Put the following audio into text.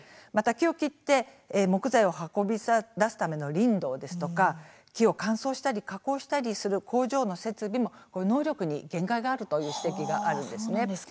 木を切って木材を運び出すための林道木を乾燥したり加工したりする工場の設備能力に限界があるという指摘があります。